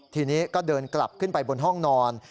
ทีนี้ก็เดินกลับขึ้นไปบนห้องนอน